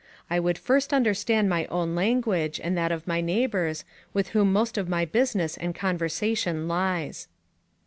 I would first understand my own language, and that of my neighbours, with whom most of my business and conversation lies.